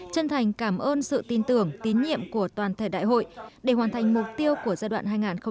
chân thành cảm ơn sự tin tưởng tín nhiệm của toàn thể đại hội để hoàn thành mục tiêu của giai đoạn hai nghìn hai mươi hai nghìn hai mươi năm